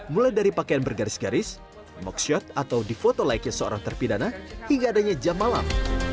mulai dari pakaian bergaris garis mockshot atau di foto layaknya seorang terpidana hingga adanya jam malam